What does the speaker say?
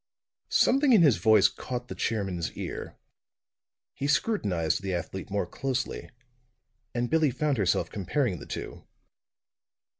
Something in his voice caught the chairman's ear. He scrutinized the athlete more closely; and Billie found herself comparing the two.